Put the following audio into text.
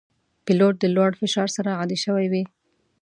پیلوټ د لوړ فشار سره عادي شوی وي.